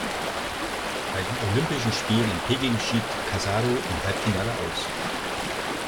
Bei den Olympischen Spielen in Peking schied Casado im Halbfinale aus.